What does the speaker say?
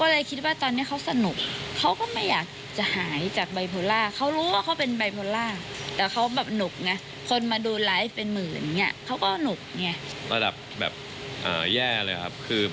เดี๋ยวฟังเสียงคุณการดูนะคะ